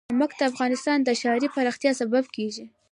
نمک د افغانستان د ښاري پراختیا سبب کېږي.